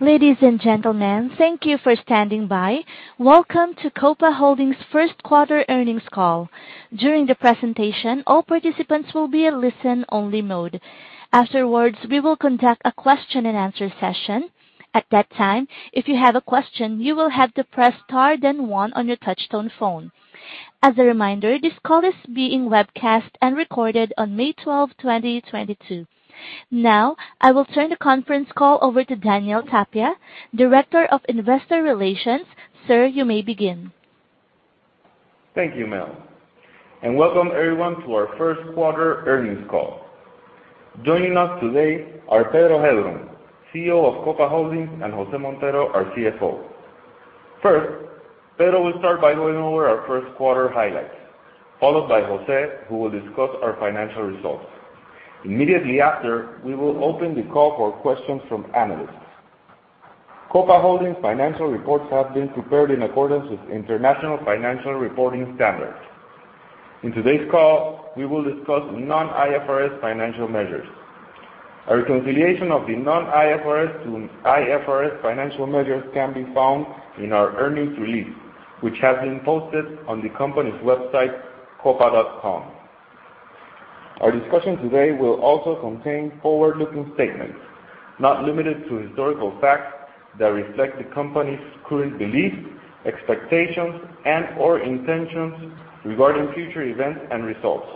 Ladies and gentlemen, thank you for standing by. Welcome to Copa Holdings' first quarter earnings call. During the presentation, all participants will be in listen-only mode. Afterwards, we will conduct a question-and-answer session. At that time, if you have a question, you will have to press Star then One on your touchtone phone. As a reminder, this call is being webcast and recorded on May 12, 2022. Now, I will turn the conference call over to Daniel Tapia, Director of Investor Relations. Sir, you may begin. Thank you, Mel, and welcome everyone to our first quarter earnings call. Joining us today are Pedro Heilbron, CEO of Copa Holdings, and Jose Montero, our CFO. First, Pedro will start by going over our first quarter highlights, followed by Jose, who will discuss our financial results. Immediately after, we will open the call for questions from analysts. Copa Holdings financial reports have been prepared in accordance with International Financial Reporting Standards. In today's call, we will discuss non-IFRS financial measures. A reconciliation of the non-IFRS to IFRS financial measures can be found in our earnings release, which has been posted on the company's website, copa.com. Our discussion today will also contain forward-looking statements, not limited to historical facts that reflect the company's current beliefs, expectations, and/or intentions regarding future events and results.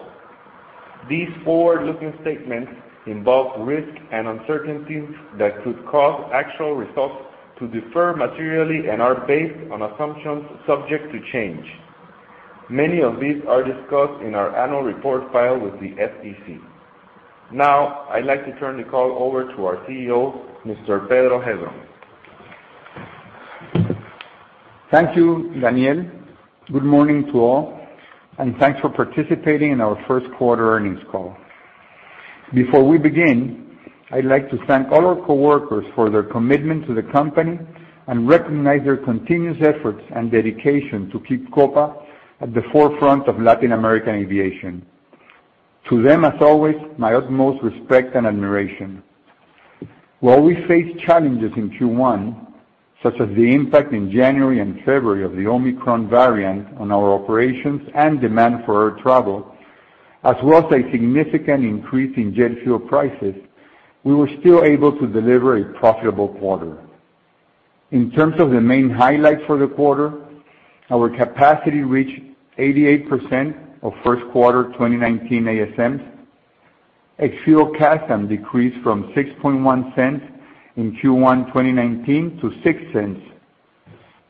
These forward-looking statements involve risks and uncertainties that could cause actual results to differ materially and are based on assumptions subject to change. Many of these are discussed in our annual report filed with the SEC. Now, I'd like to turn the call over to our CEO, Mr. Pedro Heilbron. Thank you, Daniel. Good morning to all, and thanks for participating in our first quarter earnings call. Before we begin, I'd like to thank all our coworkers for their commitment to the company and recognize their continuous efforts and dedication to keep Copa at the forefront of Latin American aviation. To them, as always, my utmost respect and admiration. While we face challenges in Q1, such as the impact in January and February of the Omicron variant on our operations and demand for air travel, as well as a significant increase in jet fuel prices, we were still able to deliver a profitable quarter. In terms of the main highlights for the quarter, our capacity reached 88% of first quarter 2019 ASMs. Fuel CASM decreased from $0.061 in Q1 2019 to $0.06.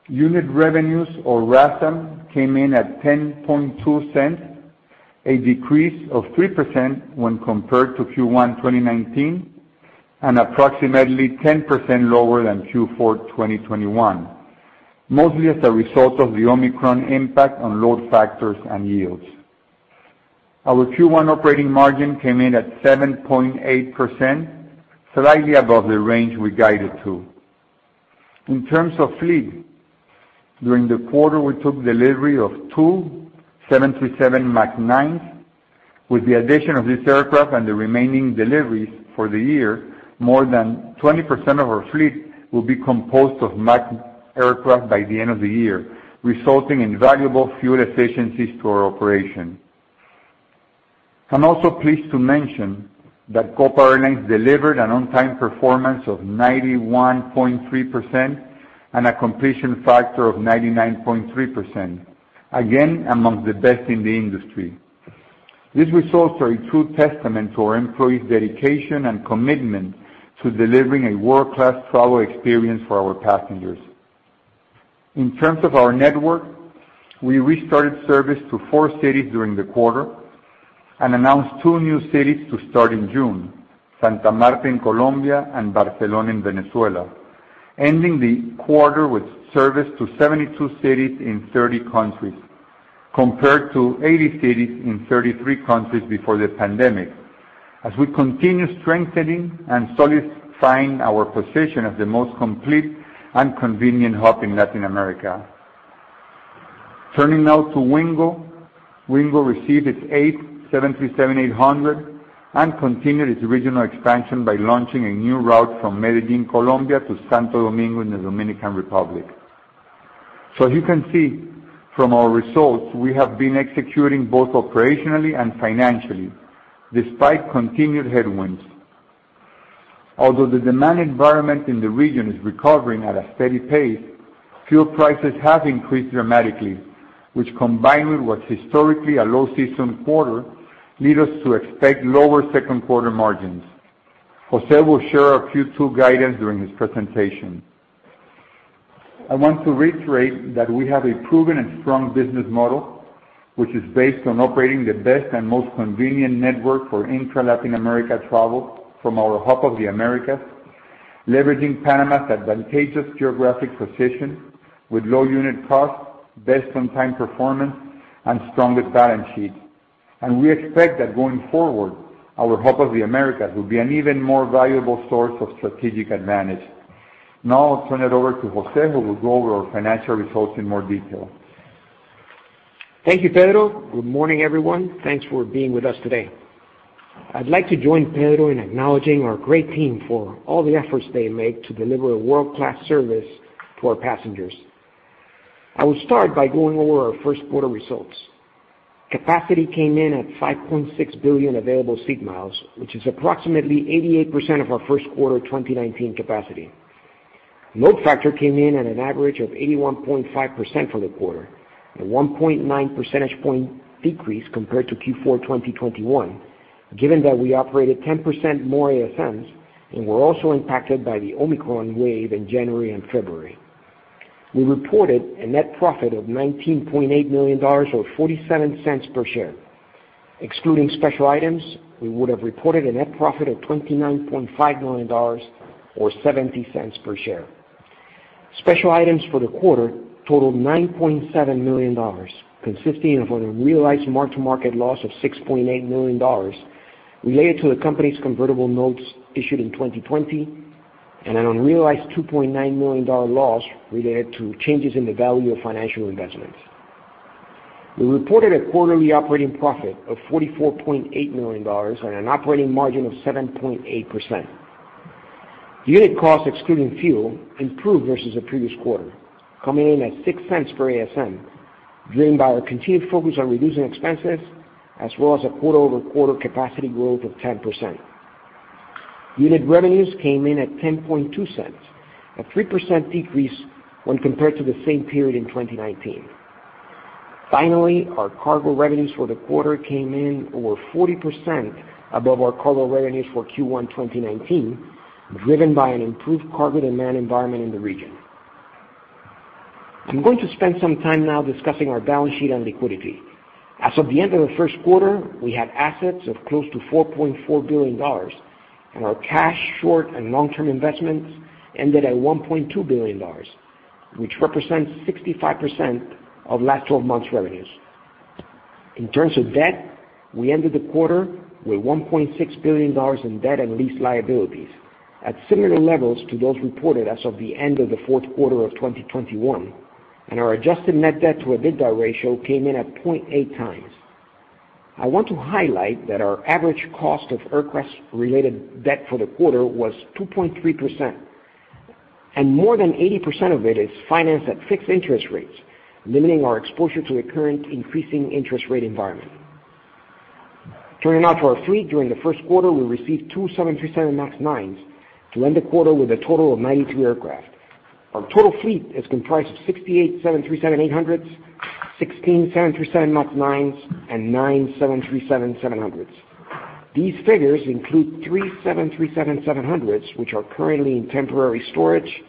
Unit revenues or RASM came in at $0.102, a decrease of 3% when compared to Q1 2019, and approximately 10% lower than Q4 2021, mostly as a result of the Omicron impact on load factors and yields. Our Q1 operating margin came in at 7.8%, slightly above the range we guided to. In terms of fleet, during the quarter, we took delivery of two 737 MAX 9s. With the addition of this aircraft and the remaining deliveries for the year, more than 20% of our fleet will be composed of MAX aircraft by the end of the year, resulting in valuable fuel efficiencies to our operation. I'm also pleased to mention that Copa Airlines delivered an on-time performance of 91.3% and a completion factor of 99.3%. Again, among the best in the industry. These results are a true testament to our employees' dedication and commitment to delivering a world-class travel experience for our passengers. In terms of our network, we restarted service to 4 cities during the quarter and announced 2 new cities to start in June: Santa Marta in Colombia and Barcelona in Venezuela. Ending the quarter with service to 72 cities in 30 countries, compared to 80 cities in 33 countries before the pandemic. As we continue strengthening and solidifying our position as the most complete and convenient hub in Latin America. Turning now to Wingo. Wingo received its 8th 737-800 and continued its regional expansion by launching a new route from Medellín, Colombia to Santo Domingo in the Dominican Republic. As you can see from our results, we have been executing both operationally and financially despite continued headwinds. Although the demand environment in the region is recovering at a steady pace, fuel prices have increased dramatically, which combined with what's historically a low season quarter, lead us to expect lower second quarter margins. José will share our Q2 guidance during his presentation. I want to reiterate that we have a proven and strong business model, which is based on operating the best and most convenient network for intra-Latin America travel from our Hub of the Americas, leveraging Panama's advantageous geographic position with low unit costs, best on-time performance, and strongest balance sheet. We expect that going forward, our Hub of the Americas will be an even more valuable source of strategic advantage. Now I'll turn it over to José, who will go over our financial results in more detail. Thank you, Pedro. Good morning, everyone. Thanks for being with us today. I'd like to join Pedro in acknowledging our great team for all the efforts they make to deliver a world-class service to our passengers. I will start by going over our first quarter results. Capacity came in at 5.6 billion available seat miles, which is approximately 88% of our first quarter 2019 capacity. Load factor came in at an average of 81.5% for the quarter, a 1.9 percentage point decrease compared to Q4 2021, given that we operated 10% more ASMs, and were also impacted by the Omicron wave in January and February. We reported a net profit of $19.8 million or $0.47 per share. Excluding special items, we would have reported a net profit of $29.5 million or $0.70 per share. Special items for the quarter totaled $9.7 million, consisting of an unrealized mark-to-market loss of $6.8 million related to the company's convertible notes issued in 2020, and an unrealized $2.9 million dollar loss related to changes in the value of financial investments. We reported a quarterly operating profit of $44.8 million on an operating margin of 7.8%. Unit cost excluding fuel improved versus the previous quarter, coming in at 6 cents per ASM, driven by our continued focus on reducing expenses as well as a quarter-over-quarter capacity growth of 10%. Unit revenues came in at 10.2 cents, a 3% decrease when compared to the same period in 2019. Finally, our cargo revenues for the quarter came in over 40% above our cargo revenues for Q1 2019, driven by an improved cargo demand environment in the region. I'm going to spend some time now discussing our balance sheet and liquidity. As of the end of the first quarter, we had assets of close to $4.4 billion, and our cash short and long-term investments ended at $1.2 billion, which represents 65% of last twelve months revenues. In terms of debt, we ended the quarter with $1.6 billion in debt and lease liabilities at similar levels to those reported as of the end of the fourth quarter of 2021, and our adjusted net debt to EBITDA ratio came in at 0.8 times. I want to highlight that our average cost of aircraft-related debt for the quarter was 2.3%, and more than 80% of it is financed at fixed interest rates, limiting our exposure to the current increasing interest rate environment. Turning now to our fleet, during the first quarter, we received two 737 MAX nine to end the quarter with a total of 92 aircraft. Our total fleet is comprised of 68 737 eight hundreds, 16 737 MAX nines, and nine 737 seven hundreds. These figures include three 737 seven hundreds, which are currently in temporary storage,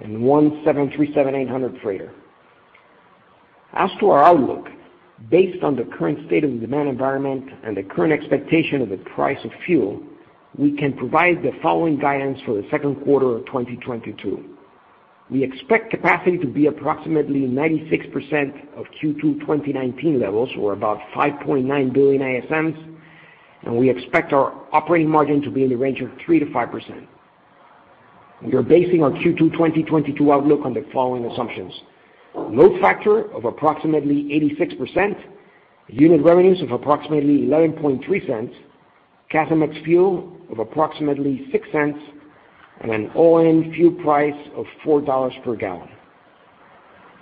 and one 737 eight hundred freighter. As to our outlook, based on the current state of the demand environment and the current expectation of the price of fuel, we can provide the following guidance for the second quarter of 2022. We expect capacity to be approximately 96% of Q2 2019 levels, or about 5.9 billion ASMs, and we expect our operating margin to be in the range of 3%-5%. We are basing our Q2 2022 outlook on the following assumptions. Load factor of approximately 86%, unit revenues of approximately 11.3 cents, CASM ex fuel of approximately 6 cents, and an all-in fuel price of $4 per gallon.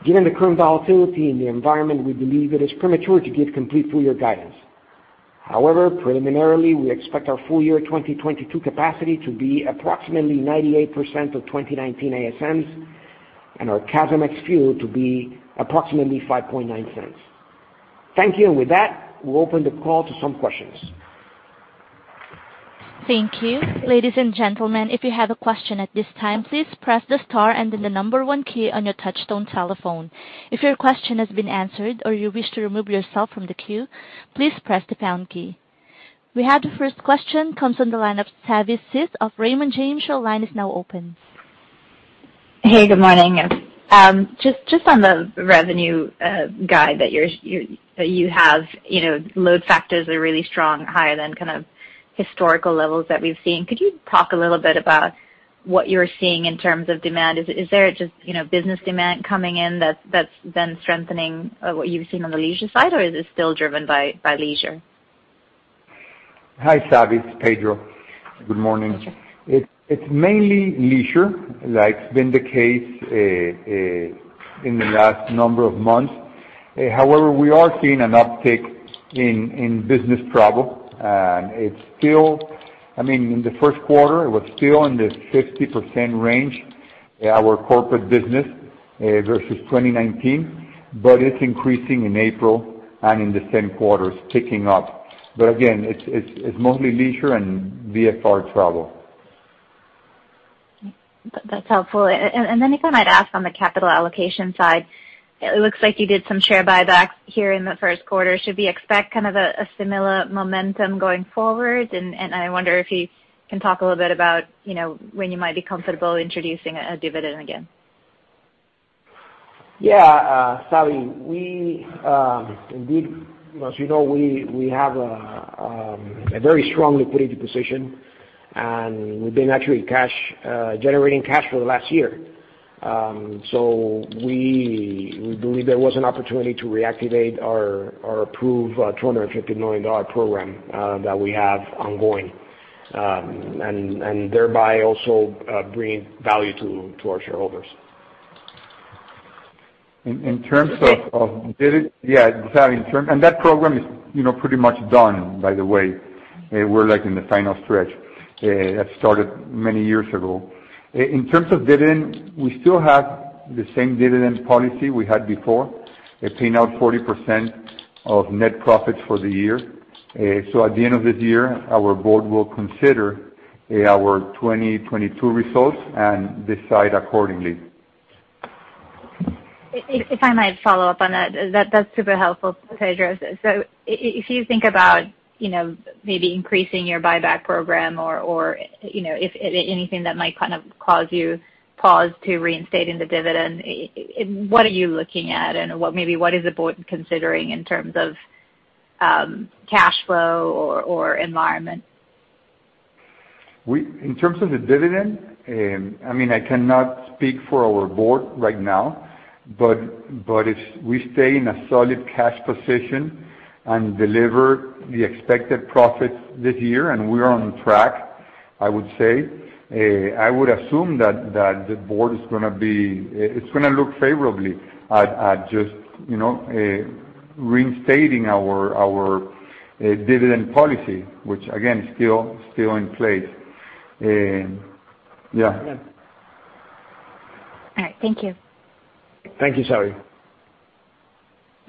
Given the current volatility in the environment, we believe it is premature to give complete full-year guidance. However, preliminarily, we expect our full-year 2022 capacity to be approximately 98% of 2019 ASMs and our CASM ex fuel to be approximately 5.9 cents. Thank you. With that, we'll open the call to some questions. Thank you. Ladies and gentlemen, if you have a question at this time, please press the star and then the number one key on your touch-tone telephone. If your question has been answered or you wish to remove yourself from the queue, please press the pound key. We have the first question. Comes from the line of Savanthi Syth of Raymond James. Your line is now open. Hey, good morning. Just on the revenue guide that you have, load factors are really strong, higher than kind of historical levels that we've seen. Could you talk a little bit about what you're seeing in terms of demand? Is there just, you know, business demand coming in that's been strengthening, what you've seen on the leisure side, or is this still driven by leisure? Hi, Savi. It's Pedro. Good morning. Sure. It's mainly leisure, like it's been the case in the last number of months. However, we are seeing an uptick in business travel. It's still. I mean, in the first quarter, it was still in the 50% range, our corporate business versus 2019, but it's increasing in April and in the same quarter, it's picking up. Again, it's mostly leisure and VFR travel. That's helpful. If I might ask on the capital allocation side, it looks like you did some share buyback here in the first quarter. Should we expect kind of a similar momentum going forward? I wonder if you can talk a little bit about, when you might be comfortable introducing a dividend again. Yeah. Savi, we indeed, have a very strong liquidity position, and we've been actually generating cash for the last year. We believe there was an opportunity to reactivate our approved $250 million program that we have ongoing. Thereby also bringing value to our shareholders. In terms of. Dividend. Yeah, dividend return. That program is, pretty much done by the way. We're like in the final stretch, that started many years ago. In terms of dividend, we still have the same dividend policy we had before. We're paying out 40% of net profits for the year. At the end of this year, our board will consider our 2022 results and decide accordingly. If I might follow up on that's super helpful to address it. If you think about, maybe increasing your buyback program or, if anything that might kind of cause you pause to reinstating the dividend, what are you looking at and what is the board considering in terms of cash flow or environment? In terms of the dividend, I mean, I cannot speak for our board right now, but if we stay in a solid cash position and deliver the expected profits this year, and we are on track, I would say, I would assume that the board is gonna be. It's gonna look favorably at just, reinstating our dividend policy, which again, still in place. All right. Thank you. Thank you, Savi.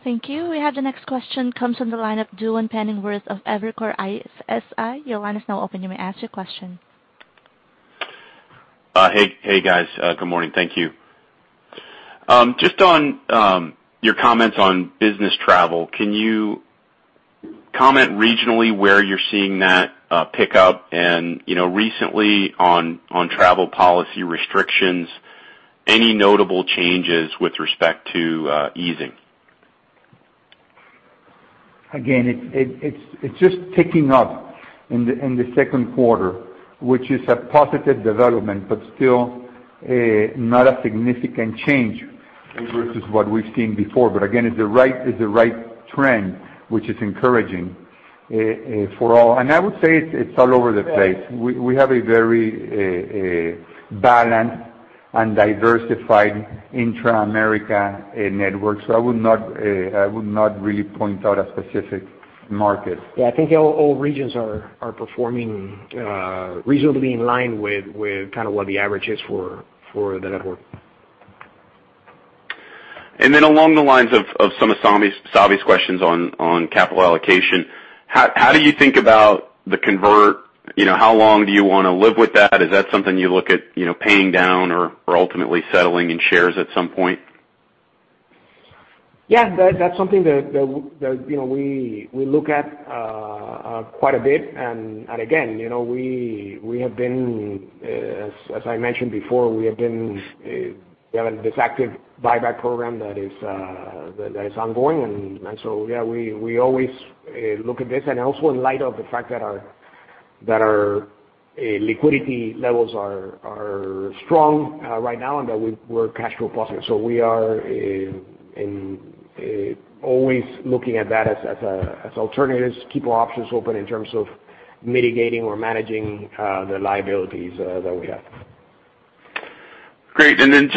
Thank you. We have the next question comes from the line of Duane Pfennigwerth of Evercore ISI. Your line is now open. You may ask your question. Hey, guys. Good morning. Thank you. Just on your comments on business travel, can you comment regionally where you're seeing that pick up and, you know, recently on travel policy restrictions, any notable changes with respect to easing? Again, it's just ticking up in the second quarter, which is a positive development, but still not a significant change versus what we've seen before. Again, it's the right trend, which is encouraging for all. I would say it's all over the place. We have a very balanced and diversified Intra-America network. I would not really point out a specific market. Yeah. I think all regions are performing reasonably in line with kind of what the average is for the network. Along the lines of some of Savi's questions on capital allocation, how do you think about the convertible? You know, how long do you wanna live with that? Is that something you look at, paying down or ultimately settling in shares at some point? Yeah. That's something that you know, we look at quite a bit. Again, we have been, as I mentioned before, we have this active buyback program that is ongoing. So, yeah, we always look at this. Also in light of the fact that our liquidity levels are strong right now and that we're cash flow positive. We are always looking at that as alternatives, keep our options open in terms of mitigating or managing the liabilities that we have. Great. Then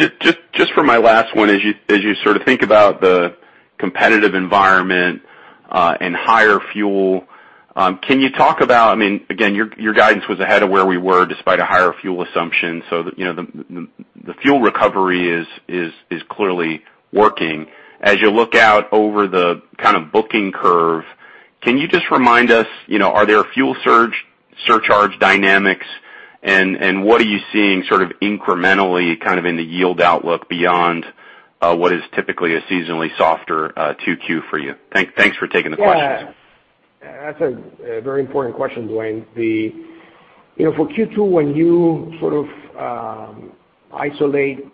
just for my last one, as you sort of think about the competitive environment and higher fuel, can you talk about I mean, again, your guidance was ahead of where we were despite a higher fuel assumption. You know, the fuel recovery is clearly working. As you look out over the kind of booking curve, can you just remind us, you know, are there fuel surcharge dynamics? What are you seeing sort of incrementally kind of in the yield outlook beyond what is typically a seasonally softer two Q for you? Thanks for taking the questions. Yeah. That's a very important question, Duane. You know, for Q2, when you sort of isolate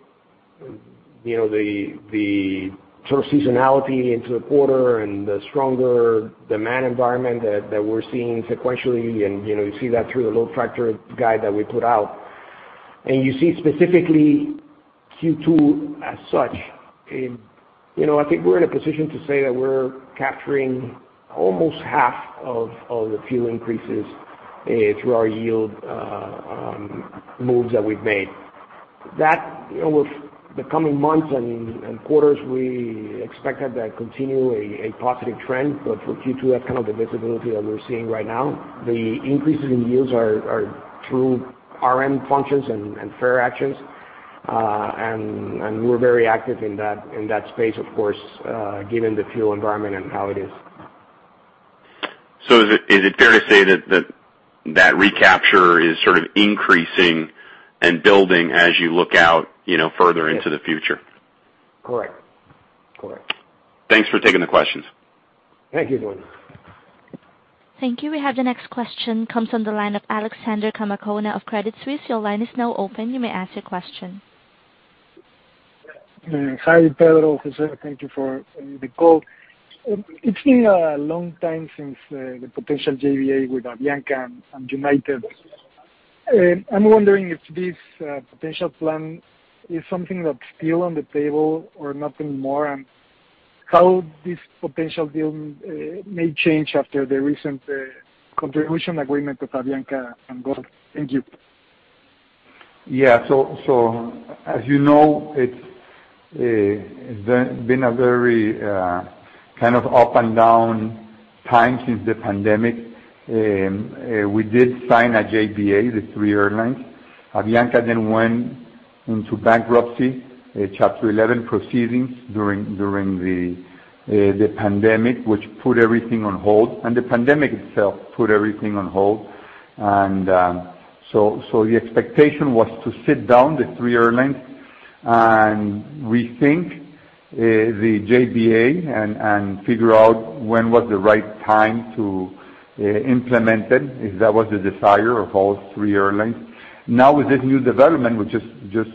the sort of seasonality into the quarter and the stronger demand environment that we're seeing sequentially, you know, you see that through the load factor guide that we put out, and you see specifically Q2 as such, you know, I think we're in a position to say that we're capturing almost half of the fuel increases through our yield moves that we've made. You know, with the coming months and quarters, we expect that to continue a positive trend. For Q2, that's kind of the visibility that we're seeing right now. The increases in yields are through RM functions and fare actions. We're very active in that space, of course, given the fuel environment and how it is. Is it fair to say that recapture is sort of increasing and building as you look out, further into the future? Correct. Correct. Thanks for taking the questions. Thank you, Duane. Thank you. The next question comes from the line of Alejandro Zamacona of Credit Suisse. Your line is now open. You may ask your question. Hi, Pedro. Thank you for the call. It's been a long time since the potential JBA with Avianca and United. I'm wondering if this potential plan is something that's still on the table or nothing more, and how this potential deal may change after the recent contribution agreement with Avianca and GOL. Thank you. As you know, it's been a very kind of up and down time since the pandemic. We did sign a JBA, the three airlines. Avianca then went into bankruptcy, Chapter 11 proceedings during the pandemic, which put everything on hold, and the pandemic itself put everything on hold. The expectation was to sit down the three airlines and rethink the JBA and figure out when was the right time to implement it, if that was the desire of all three airlines. Now, with this new development, which just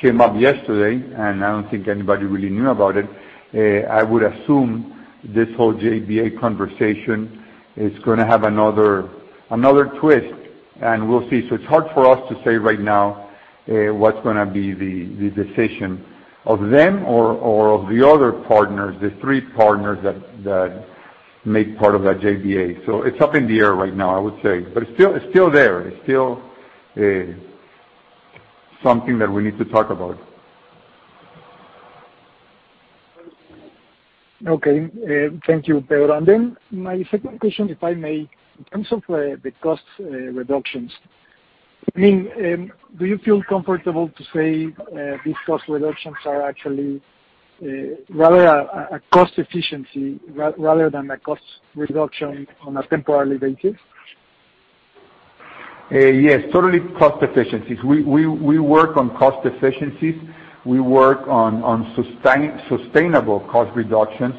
came up yesterday, and I don't think anybody really knew about it, I would assume this whole JBA conversation is gonna have another twist, and we'll see. It's hard for us to say right now, what's gonna be the decision of them or of the other partners, the three partners that make part of that JBA. It's up in the air right now, I would say. It's still there. It's still something that we need to talk about. Okay. Thank you, Pedro. My second question, if I may, in terms of the cost reductions, I mean, do you feel comfortable to say these cost reductions are actually rather a cost efficiency rather than a cost reduction on a temporary basis? Yes, totally cost efficiencies. We work on cost efficiencies. We work on sustainable cost reductions.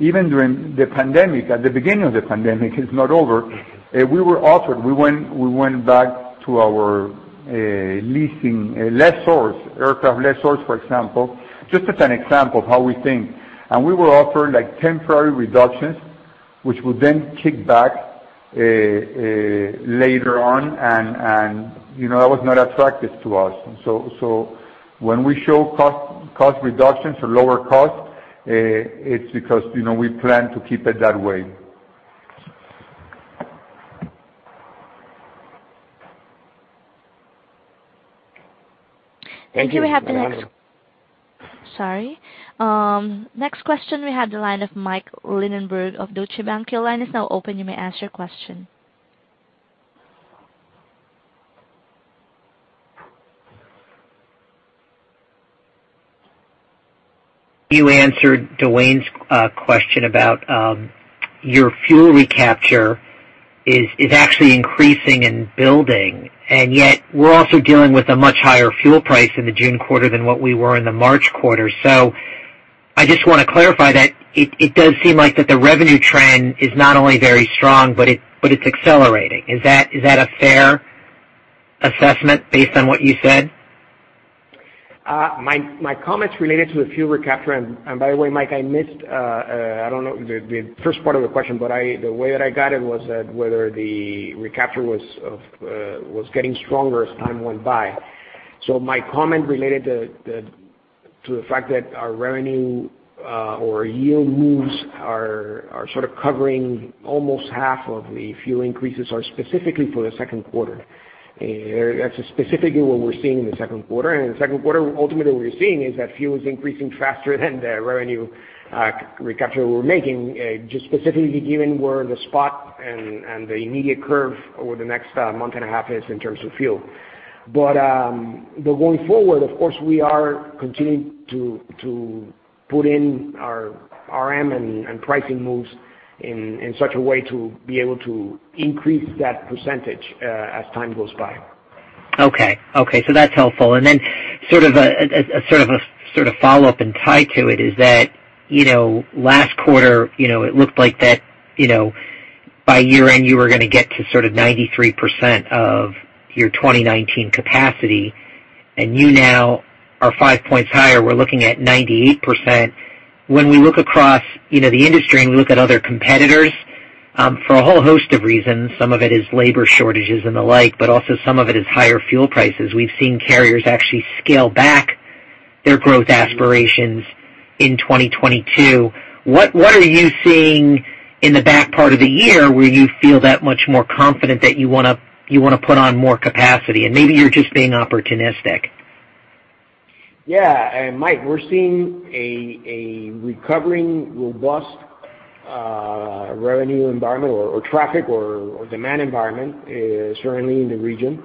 Even during the pandemic, at the beginning of the pandemic, it's not over, we were offered. We went back to our leasing lessors, aircraft lessors, for example, just as an example of how we think, and we were offered, like, temporary reductions, which would then kick back later on, and that was not attractive to us. When we show cost reductions or lower costs, it's because, you know, we plan to keep it that way. Thank you. Thank you. Next question we have the line of Michael Linenberg of Deutsche Bank. Your line is now open. You may ask your question. You answered Duane's question about your fuel recapture is actually increasing and building, and yet we're also dealing with a much higher fuel price in the June quarter than what we were in the March quarter. I just wanna clarify that it does seem like that the revenue trend is not only very strong, but it's accelerating. Is that a fair assessment based on what you said? My comments related to the fuel recapture, and by the way, Mike, I missed, I don't know the first part of the question, but the way that I got it was that whether the recapture was getting stronger as time went by. My comment related to the fact that our revenue or yield moves are sort of covering almost half of the fuel increases specifically for the second quarter. That's specifically what we're seeing in the second quarter. In the second quarter, ultimately what we're seeing is that fuel is increasing faster than the revenue recapture we're making, just specifically given where the spot and the immediate curve over the next month and a half is in terms of fuel. Going forward, of course, we are continuing to put in our RM and pricing moves in such a way to be able to increase that percentage, as time goes by. Okay. That's helpful. Sort of a follow-up and tie to it is that, last quarter, you know, it looked like that, you know, by year-end you were gonna get to sort of 93% of your 2019 capacity, and you now are five points higher. We're looking at 98%. When we look across, the industry and we look at other competitors, for a whole host of reasons, some of it is labor shortages and the like, but also some of it is higher fuel prices. We've seen carriers actually scale back their growth aspirations in 2022. What are you seeing in the back part of the year where you feel that much more confident that you wanna put on more capacity? Maybe you're just being opportunistic. Yeah. Mike, we're seeing a recovering robust revenue environment or traffic or demand environment certainly in the region.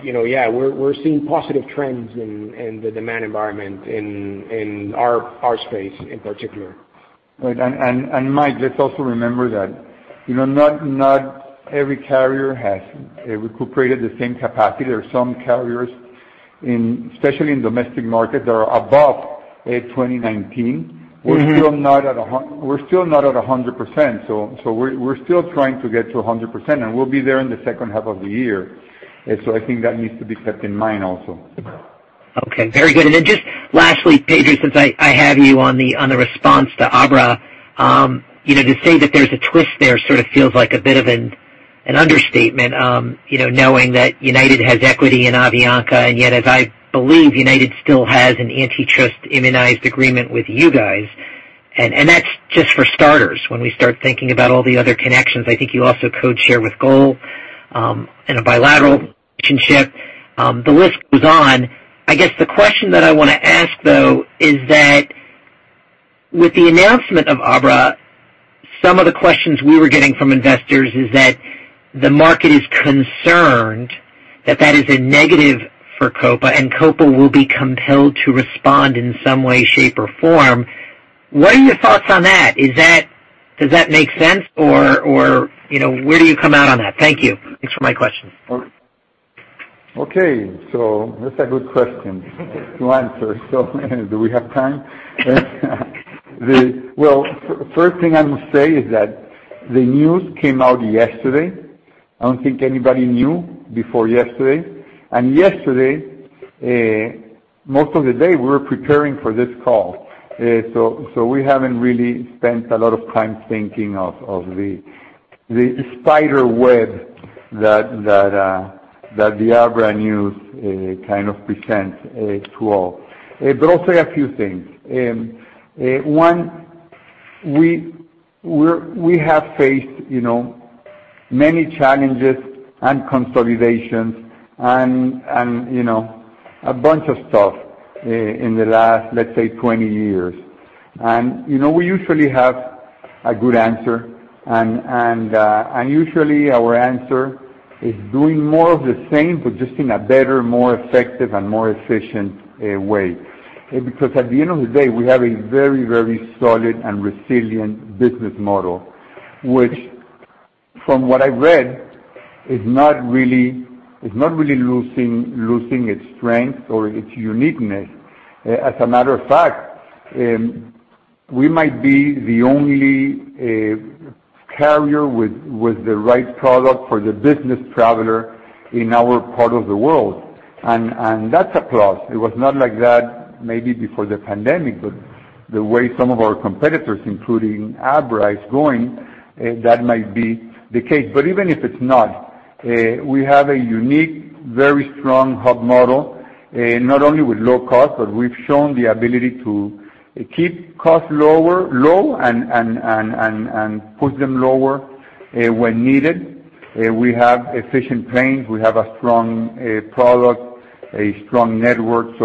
We're seeing positive trends in the demand environment in our space in particular. Right. Mike, let's also remember that, you know, not every carrier has recuperated the same capacity. There are some carriers in, especially in domestic markets, that are above 2019. Mm-hmm. We're still not at 100%, so we're still trying to get to 100%, and we'll be there in the second half of the year. I think that needs to be kept in mind also. Okay. Very good. Just lastly, Pedro, since I have you on the response to Abra, you know, to say that there's a twist there sort of feels like a bit of an understatement, you know, knowing that United has equity in Avianca, and yet, as I believe, United still has an antitrust immunized agreement with you guys. That's just for starters. When we start thinking about all the other connections, I think you also codeshare with GOL in a bilateral relationship. The list goes on. I guess the question that I wanna ask, though, is that with the announcement of Abra, some of the questions we were getting from investors is that the market is concerned that that is a negative for Copa, and Copa will be compelled to respond in some way, shape, or form. What are your thoughts on that? Does that make sense? Or, you know, where do you come out on that? Thank you. Thanks for my question. Okay. That's a good question to answer. Do we have time? Well, first thing I must say is that the news came out yesterday. I don't think anybody knew before yesterday. Yesterday, most of the day we were preparing for this call. We haven't really spent a lot of time thinking of the spider web that the Abra news kind of presents to all. I'll say a few things. We have faced, many challenges and consolidations and, you know, a bunch of stuff in the last, let's say, 20 years. We usually have a good answer. Usually our answer is doing more of the same but just in a better, more effective, and more efficient way. Because at the end of the day, we have a very, very solid and resilient business model, which from what I read, is not really losing its strength or its uniqueness. As a matter of fact, we might be the only carrier with the right product for the business traveler in our part of the world. That's a plus. It was not like that maybe before the pandemic, but the way some of our competitors, including Abra, is going, that might be the case. Even if it's not, we have a unique, very strong hub model, not only with low cost, but we've shown the ability to keep costs low and put them lower when needed. We have efficient planes. We have a strong product, a strong network.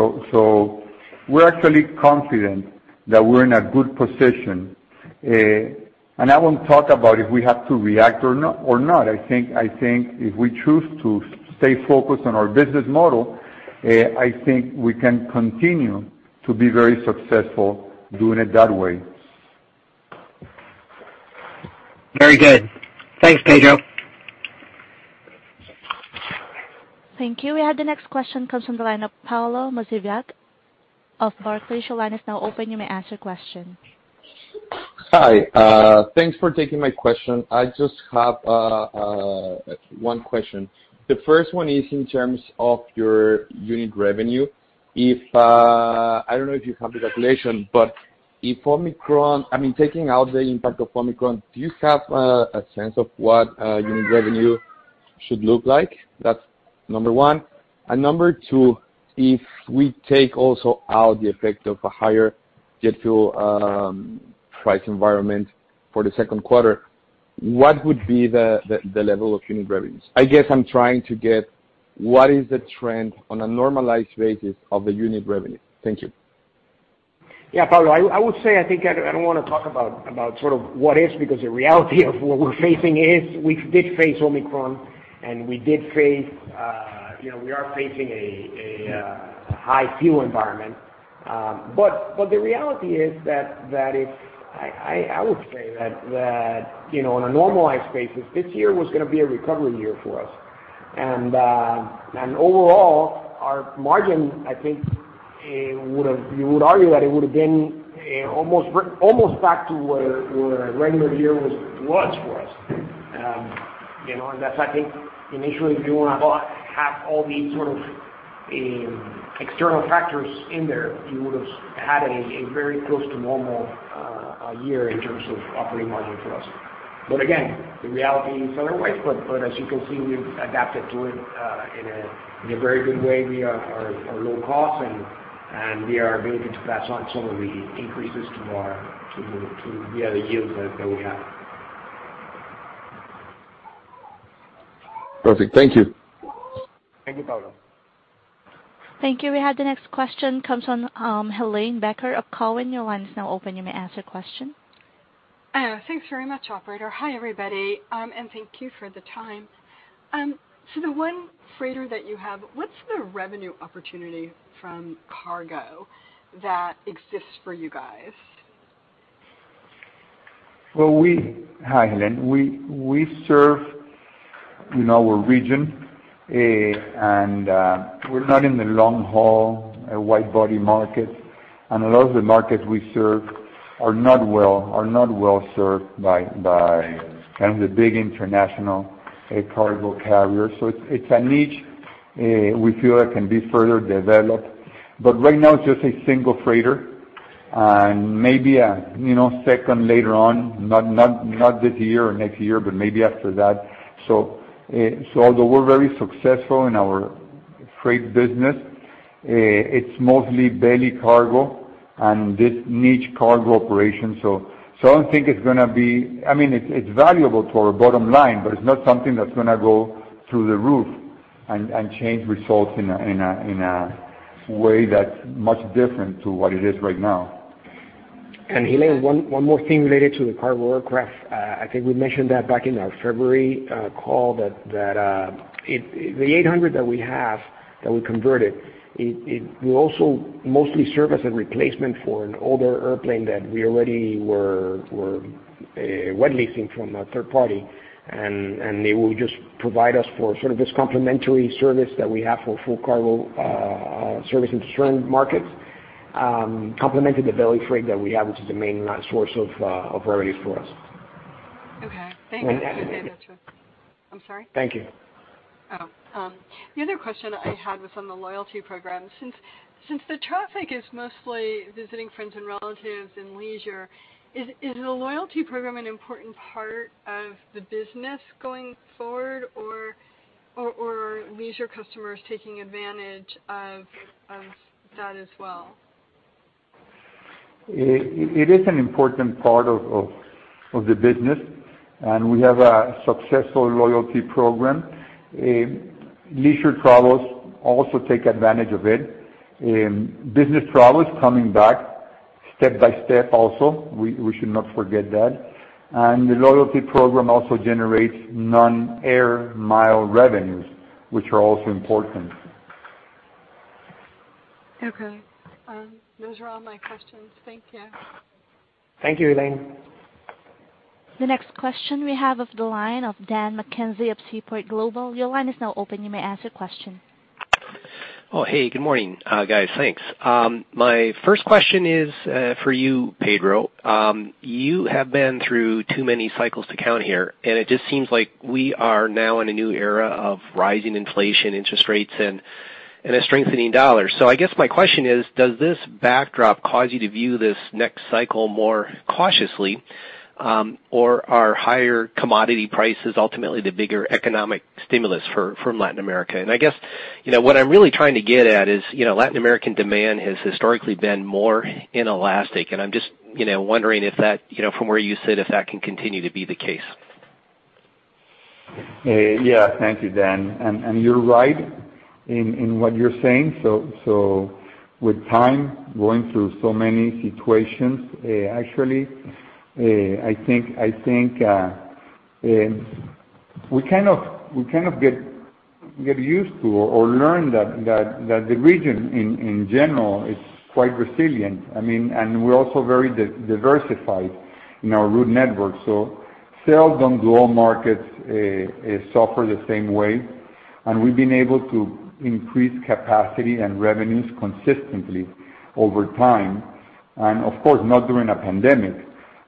We're actually confident that we're in a good position. I won't talk about if we have to react or not. I think if we choose to stay focused on our business model, I think we can continue to be very successful doing it that way. Very good. Thanks, Pedro. Thank you. We have the next question comes from the line of Pablo Monsivais of Barclays. Your line is now open. You may ask your question. Hi. Thanks for taking my question. I just have one question. The first one is in terms of your unit revenue. I don't know if you have the calculation, but if Omicron, I mean, taking out the impact of Omicron, do you have a sense of what unit revenue should look like? That's number one. Number two, if we take also out the effect of a higher jet fuel price environment for the second quarter, what would be the level of unit revenues? I guess I'm trying to get what is the trend on a normalized basis of the unit revenue. Thank you. Yeah. Pablo, I would say, I think I don't wanna talk about sort of what if, because the reality of what we're facing is we did face Omicron, and we did face you know we are facing a high fuel environment. The reality is that I would say that you know on a normalized basis, this year was gonna be a recovery year for us. Overall, our margin, I think, you would argue that it would've been almost back to where a regular year was for us. I think, initially, if you wanna have all these sort of external factors in there, you would've had a very close to normal year in terms of operating margin for us. Again, the reality is otherwise. As you can see, we've adapted to it in a very good way. We are low cost and we are able to pass on some of the increases to the other yields that we have. Perfect. Thank you. Thank you, Pablo. Thank you. We have the next question. Comes from Helane Becker of Cowen. Your line is now open. You may ask your question. Thanks very much, operator. Hi, everybody, and thank you for the time. The one freighter that you have, what's the revenue opportunity from cargo that exists for you guys? Hi, Helene. We serve a region, and we're not in the long haul wide body market. A lot of the markets we serve are not well-served by kind of the big international cargo carriers. It's a niche we feel that can be further developed. Right now it's just a single freighter, and maybe a second later on. Not this year or next year, but maybe after that. Although we're very successful in our freight business, it's mostly belly cargo and this niche cargo operation. I don't think it's gonna be. I mean, it's valuable to our bottom line, but it's not something that's gonna go through the roof and change results in a way that's much different to what it is right now. Elaine, one more thing related to the cargo aircraft. I think we mentioned that back in our February call that the 800 that we have, that we converted, it will also mostly serve as a replacement for an older airplane that we already were wet leasing from a third party. It will just provide us for sort of this complementary service that we have for full cargo service into certain markets, complementing the belly freight that we have, which is the main source of revenues for us. Okay. Thank you. Thank you. Oh, the other question I had was on the loyalty program. Since the traffic is mostly visiting friends and relatives and leisure, is the loyalty program an important part of the business going forward, or are leisure customers taking advantage of that as well? It is an important part of the business, and we have a successful loyalty program. Leisure travelers also take advantage of it. Business travel is coming back step by step also. We should not forget that. The loyalty program also generates non-air mile revenues, which are also important. Okay. Those are all my questions. Thank you. Thank you, Helane. The next question we have off the line of Dan McKenzie of Seaport Global. Your line is now open. You may ask your question. Oh, hey, good morning, guys. Thanks. My first question is for you, Pedro. You have been through too many cycles to count here, and it just seems like we are now in a new era of rising inflation, interest rates, and a strengthening dollar. I guess my question is, does this backdrop cause you to view this next cycle more cautiously, or are higher commodity prices ultimately the bigger economic stimulus for Latin America? I guess, what I'm really trying to get at is, Latin American demand has historically been more inelastic, and I'm just, you know, wondering if that, you know, from where you sit, if that can continue to be the case. Yeah. Thank you, Dan. You're right in what you're saying. With time, going through so many situations, actually, I think we kind of get used to or learn that the region in general is quite resilient. I mean, we're also very diversified in our route network. Sales on global markets suffer the same way, and we've been able to increase capacity and revenues consistently over time. Of course, not during a pandemic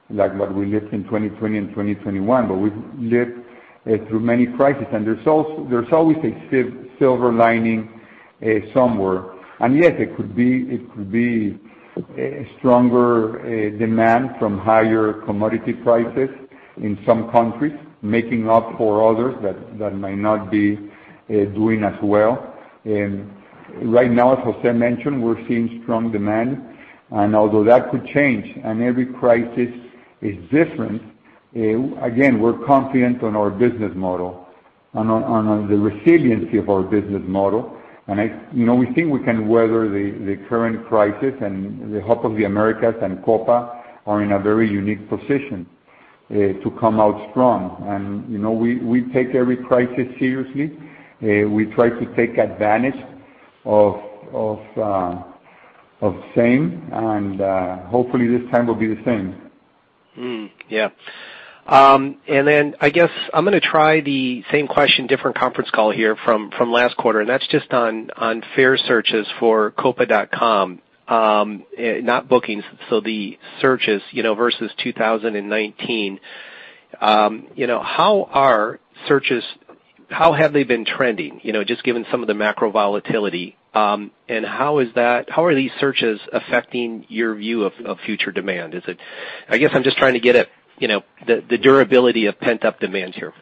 like what we lived in 2020 and 2021, but we've lived through many crises. There's always a silver lining somewhere. Yes, it could be a stronger demand from higher commodity prices in some countries, making up for others that might not be doing as well. Right now, as Jose mentioned, we're seeing strong demand. Although that could change, and every crisis is different, again, we're confident on our business model, the resiliency of our business model. We think we can weather the current crisis, and the Hub of the Americas and Copa are in a very unique position to come out strong. You know, we take every crisis seriously. We try to take advantage of the same, and hopefully this time will be the same. I guess I'm gonna try the same question, different conference call here from last quarter, and that's just on fare searches for copa.com, not bookings, so the searches, versus 2019. How have searches been trending? You know, just given some of the macro volatility. How are these searches affecting your view of future demand? Is it. I guess I'm just trying to get at, you know, the durability of pent-up demand here.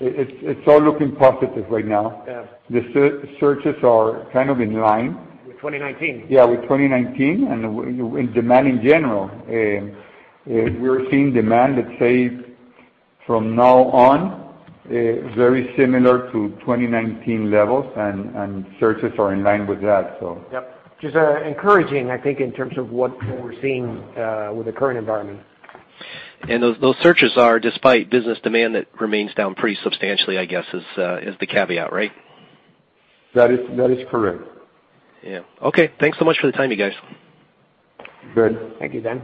It's all looking positive right now. Yeah. The CASMs are kind of in line. With 2019. Yeah, with 2019 and with demand in general. We're seeing demand, let's say, from now on, very similar to 2019 levels and searches are in line with that, so. Yep. Just encouraging, I think, in terms of what we're seeing with the current environment. Those searches are despite business demand that remains down pretty substantially, I guess is the caveat, right? That is correct. Yeah. Okay. Thanks so much for the time, you guys. Good. Thank you, Dan.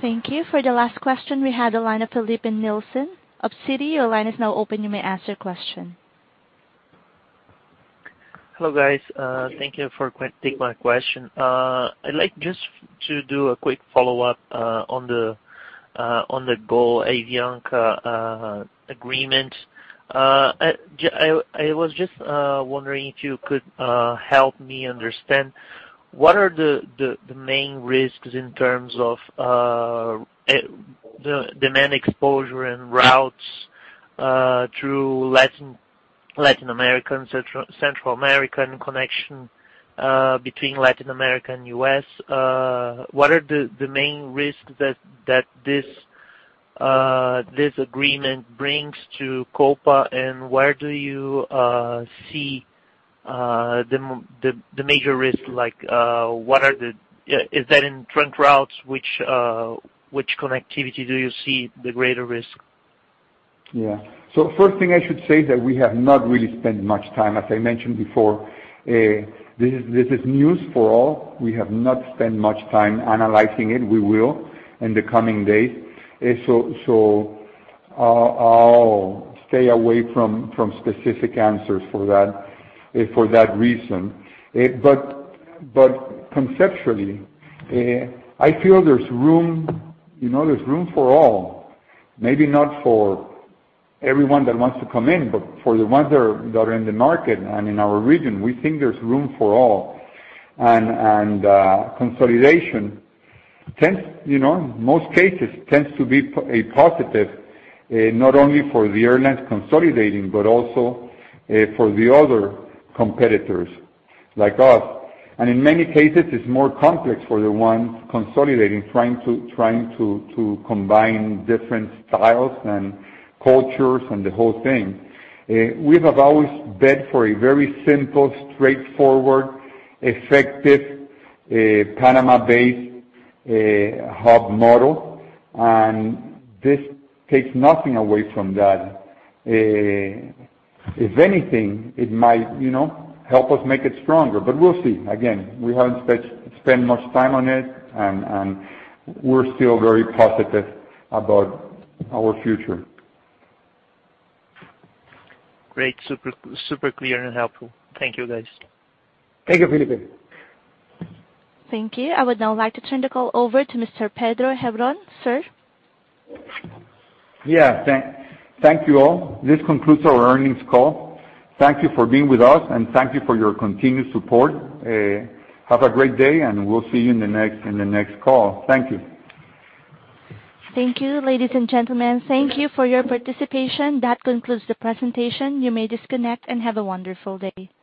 Thank you. For the last question, we have the line of Felipe Nielsen of Citi. Your line is now open. You may ask your question. Hello, guys. Thank you for taking my question. I'd like just to do a quick follow-up on the GOL-Avianca agreement. I was just wondering if you could help me understand what are the main risks in terms of demand exposure and routes through Latin America and Central America in connection between Latin America and U.S. What are the main risks that this agreement brings to Copa and where do you see the major risks like what are the. Is that in trunk routes? Which connectivity do you see the greater risk? Yeah. First thing I should say that we have not really spent much time. As I mentioned before, this is news for all. We have not spent much time analyzing it. We will in the coming days. I'll stay away from specific answers for that reason. Conceptually, I feel there's room, you know, there's room for all. Maybe not for everyone that wants to come in, but for the ones that are in the market and in our region, we think there's room for all. Consolidation tends, you know, in most cases tends to be a positive, not only for the airlines consolidating, but also for the other competitors like us. In many cases, it's more complex for the ones consolidating, trying to combine different styles and cultures and the whole thing. We have always bet for a very simple, straightforward, effective, Panama-based hub model, and this takes nothing away from that. If anything, it might, help us make it stronger, but we'll see. Again, we haven't spent much time on it, and we're still very positive about our future. Great. Super, super clear and helpful. Thank you, guys. Thank you, Felipe. Thank you. I would now like to turn the call over to Mr. Pedro Heilbron. Sir? Yeah. Thank you all. This concludes our earnings call. Thank you for being with us, and thank you for your continued support. Have a great day, and we'll see you in the next call. Thank you. Thank you, ladies and gentlemen. Thank you for your participation. That concludes the presentation. You may disconnect and have a wonderful day.